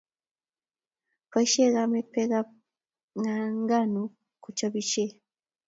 Boisie kamet pekap nganuk ko chopisie